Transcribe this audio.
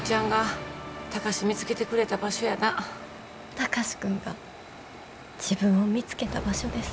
貴司君が自分を見つけた場所です。